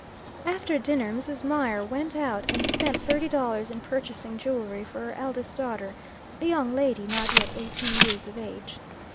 After dinner Mrs. Mier went out and spent thirty dollars in purchasing jewelry for her eldest daughter, a young lady not yet eighteen years of age.